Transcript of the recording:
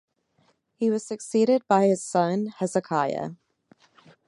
He was succeeded by his son Hezekiah.